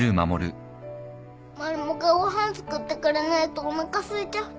マルモがご飯作ってくれないとおなかすいちゃう。